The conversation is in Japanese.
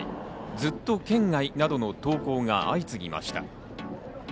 ずっと圏外などの投稿が相次ぎました。